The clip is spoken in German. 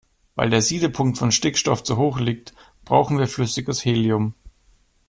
Weil der Siedepunkt von Stickstoff zu hoch liegt, brauchen wir flüssiges Helium.